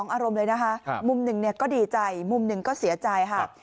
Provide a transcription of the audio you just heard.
อารมณ์เลยนะคะมุมหนึ่งก็ดีใจมุมหนึ่งก็เสียใจค่ะ